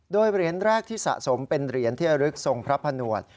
โดยเหรียญแรกที่สะสมเป็นเหรียญเที่ยวลึกทรงพระผนวด